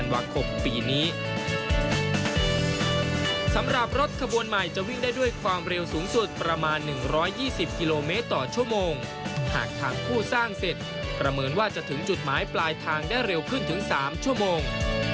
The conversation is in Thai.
หากทางผู้สร้างเสร็จระเมินว่าจะถึงจุดหมายปลายทางได้เร็วขึ้นถึง๓ชั่วโมง